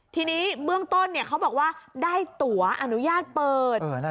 ทีนี้เบื้องต้นเขาบอกว่าได้ตัวอนุญาตเปิด